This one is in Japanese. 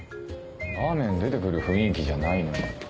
ラーメン出てくる雰囲気じゃない。